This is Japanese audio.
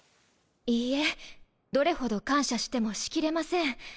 いいえどれほど感謝してもしきれません。